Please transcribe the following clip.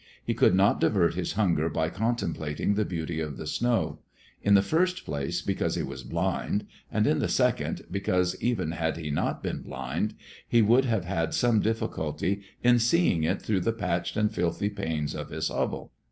He could not divert his hunger by contemplating the beauty of the snow, in the first place, because he was blind, and in the second, because, even had he not been blind, he would have had some difficulty in seeing it through the patched and filthy panes of his hovel.